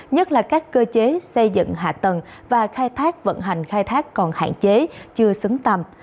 nhất là các cơ chế xây dựng hạ tầng và khai thác vận hành khai thác còn hạn chế chưa xứng tầm